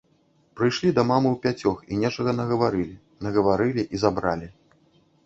Прыйшлі да мамы ўпяцёх і нечага нагаварылі, нагаварылі і забралі.